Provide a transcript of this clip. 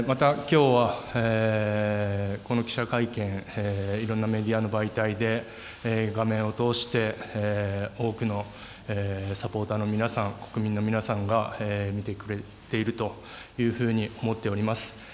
また、きょうはこの記者会見、いろんなメディアの媒体で画面を通して多くのサポーターの皆さん、国民の皆さんが見てくれているというふうに思っております。